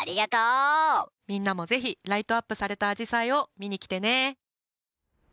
みんなもぜひライトアップされたあじさいを見に来てね。